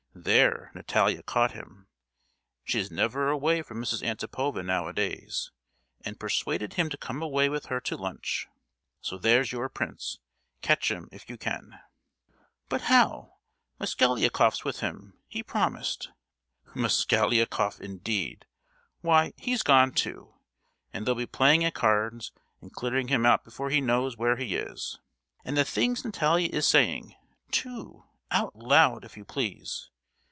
There Natalia caught him—she is never away from Mrs. Antipova nowadays,—and persuaded him to come away with her to lunch. So there's your prince! catch him if you can!" "But how—Mosgliakoff's with him—he promised—" "Mosgliakoff, indeed,—why, he's gone too! and they'll be playing at cards and clearing him out before he knows where he is! And the things Natalia is saying, too—out loud if you please!